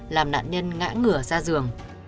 làm nạn nhân ngã ngửa ra giường